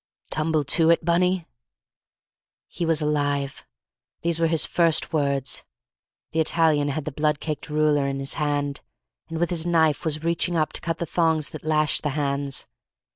"Tumble to it, Bunny?" He was alive; these were his first words; the Italian had the blood caked ruler in his hand, and with his knife was reaching up to cut the thongs that lashed the hands.